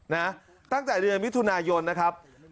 ตั้งแต่เดือนมิถุนายนนะครับ